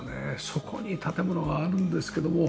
そこに建物があるんですけども。